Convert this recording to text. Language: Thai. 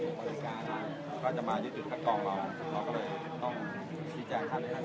มีผู้ที่ได้รับบาดเจ็บและถูกนำตัวส่งโรงพยาบาลเป็นผู้หญิงวัยกลางคน